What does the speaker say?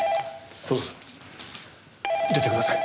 どうぞ出てください。